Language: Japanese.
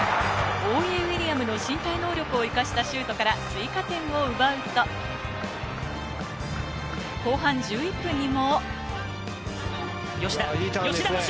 オウイエ・ウイリアムの身体能力を生かしたシュートから追加点を奪うと、後半１１分にも。